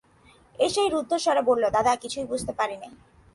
এসেই রুদ্ধস্বরে বললে, দাদা, কিছুই বুঝতে পারছি নে।